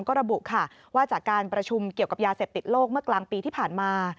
ก็ระบุค่ะว่าจากการประชุมเกี่ยวกับยาเสพติดโลกเมื่อกลางปีที่ผ่านมา